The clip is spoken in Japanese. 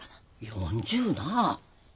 ４０なあ。